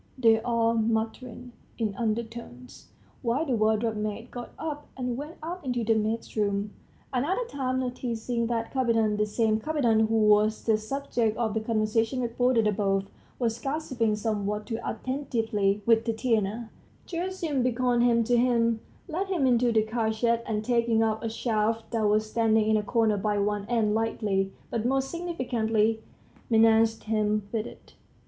they all muttered in undertones, while the wardrobe maid got up and went out into the maid's room. Another time, noticing that Kapiton the same Kapiton who was the subject of the conversation reported above was gossiping somewhat too attentively with Tatiana, Gerasim beckoned him to him, led him into the cartshed, and taking up a shaft that was standing in a corner by one end, lightly, but most significantly, menaced him with it.